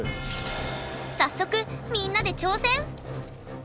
早速みんなで挑戦！